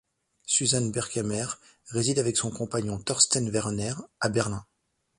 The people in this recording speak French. Susanne Berckhemer réside avec son compagnon, Thorsten Werner, à Berlin.